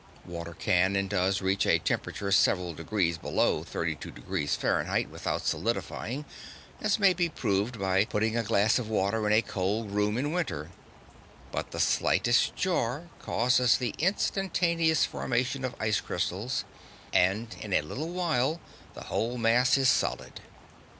Water can and does reach a temperature several degrees below 32° Fahrenheit without solidifying as may be proved by putting a glass of water in a cold room in winter but the slightest jar causes the instantaneous formation of ice crystals, and in a little while the whole mass is solid.